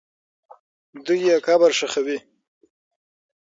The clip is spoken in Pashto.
دوی یې قبر ښخوي.